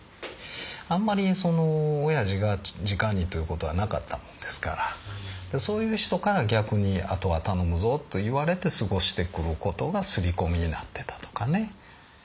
あんまりそのおやじがじかにという事はなかったもんですからそういう人から逆に後は頼むぞと言われて過ごしてくる事が刷り込みになってたとかね。